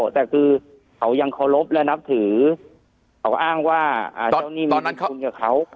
แต่คือเขายังเคารพและนับถือเขาก็อ้างว่าตอนนั้นเขาอยู่กับเขา